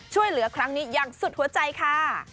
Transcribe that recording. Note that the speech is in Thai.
ช่วยเหลือครั้งนี้อย่างสุดหัวใจค่ะ